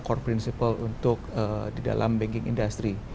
core principle untuk di dalam banking industry